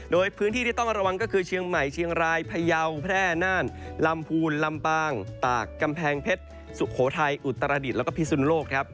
โดยพื้นที่ที่ต้องระวังก็คือเชียงใหม่เชียงรายพยาวแพร่น่านลำพูนลำปางตากกำแพงเพชรสุโขทัยอุตรดิษฐ์แล้วก็พิสุนโลกครับ